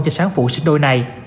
cho sáng phụ sinh đôi này